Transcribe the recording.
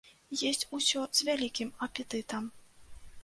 Есць усё з вялікім апетытам.